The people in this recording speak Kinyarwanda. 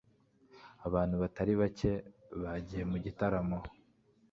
abantu batari bake bagiye mu gitaramo